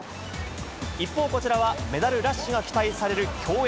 一方、こちらはメダルラッシュが期待される競泳。